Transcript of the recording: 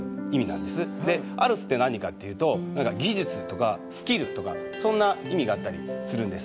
で「アルス」って何かっていうと技術とかスキルとかそんな意味があったりするんです。